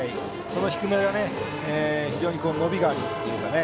その低めが非常に伸びがあるというか。